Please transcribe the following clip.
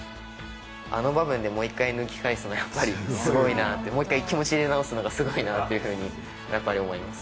あの場面でもう一回抜き返すのはやっぱりすごいなって、もう一回、気持ち入れ直すのがすごいなっていうふうにやっぱり思います。